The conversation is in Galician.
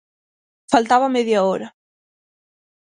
Faltaba media hora.